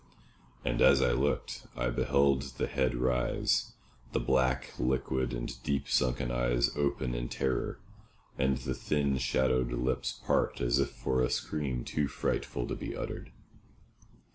And as I looked, I beheld the head rise, the black, liquid, and deep sunken eyes open in terror, and the thin, shadowed lips part as if for a scream too frightful to be uttered.